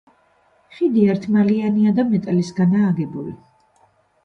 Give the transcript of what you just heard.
ხიდი ერთმალიანია და მეტალისგანაა აგებული.